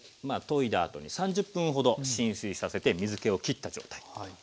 まあといだあとに３０分ほど浸水させて水けをきった状態。